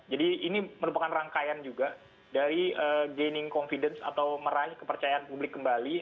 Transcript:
jadi ini merupakan rangkaian juga dari gaining confidence atau meraih kepercayaan publik kembali